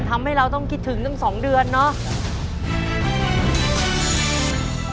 ทำให้เราต้องคิดถึงตั้ง๒เดือนเนาะ